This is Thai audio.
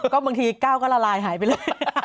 ก็บางทีก้าวก็ละลายหายไปเลย